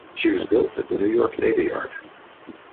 She was built at the New York Navy Yard.